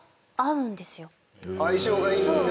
相性がいいんだ。